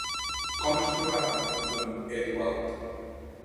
Com es trobava Don Eduald?